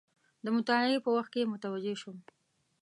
د مطالعې په وخت کې متوجه شوم.